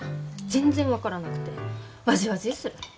全然分からなくてわじわじーする。